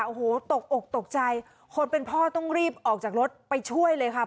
โอ้โหตกอกตกใจคนเป็นพ่อต้องรีบออกจากรถไปช่วยเลยค่ะ